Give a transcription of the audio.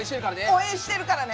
応援してるからね！